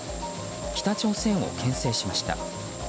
北朝鮮を牽制しました。